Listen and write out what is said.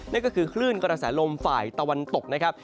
นั่นก็คือคลื่นกระแสลมฝ่ายตะวันตกนะครับ